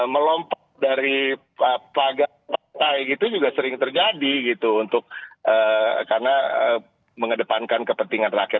melompat dari pagar partai gitu juga sering terjadi gitu untuk karena mengedepankan kepentingan rakyat